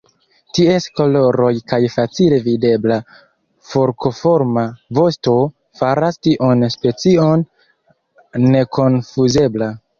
Ties koloroj kaj facile videbla forkoforma vosto faras tiun specion nekonfuzebla.